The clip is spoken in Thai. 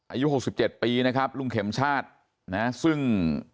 อายุหกสิบเจ็ดปีนะครับลุงเข็มชาตินะซึ่ง